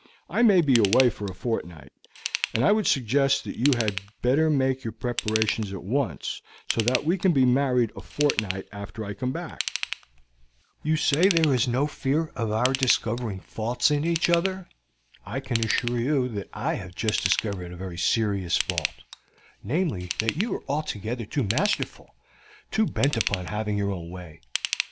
I may be away for a fortnight, and I would suggest that you had better make your preparations at once, so that we can be married a fortnight after I come back." "You say that there is no fear of our discovering faults in each other. I can assure you that I have just discovered a very serious fault, namely, that you are altogether too masterful, too bent upon having your own way.